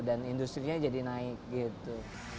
dan industri nya jadi naik gitu